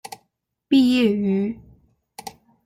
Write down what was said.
毕业于。